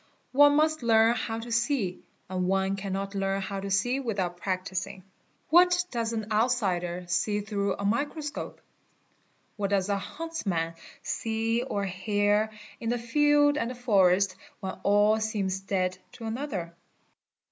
One must learn how to see, and one cannot learn how to see without practising. | What does an outsider see through a microscope? What does a hunts ~ man see or hear in the field and the forest when all seems dead to another?